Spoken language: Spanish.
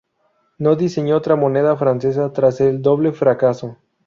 No diseñó otra moneda francesa tras el doble fracaso.